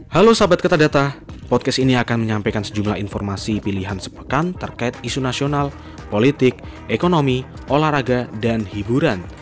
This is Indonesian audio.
halo sahabat kata podcast ini akan menyampaikan sejumlah informasi pilihan sepekan terkait isu nasional politik ekonomi olahraga dan hiburan